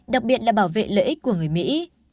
đặc biệt là bảo vệ lợi ích của người mỹ